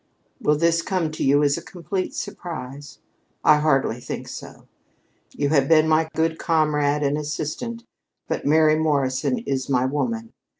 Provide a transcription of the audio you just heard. Will this come to you as a complete surprise? I hardly think so. You have been my good comrade and assistant; but Mary Morrison is my woman.